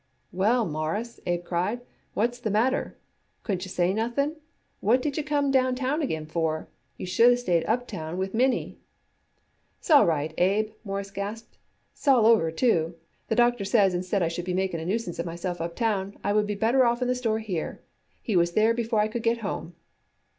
"Well, Mawruss," Abe cried, "what's the matter? Couldn't you say nothing? What did you come downtown again for? You should have stayed uptown with Minnie." "S'all right, Abe," Morris gasped. "S'all over, too. The doctor says instead I should be making a nuisance of myself uptown, I would be better off in the store here. He was there before I could get home."